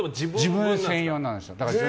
自分専用なんです。